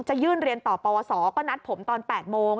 จะยื่นเรียนต่อปวสอก็นัดผมตอน๘โมง